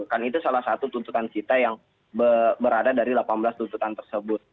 kan itu salah satu tuntutan kita yang berada dari delapan belas tuntutan tersebut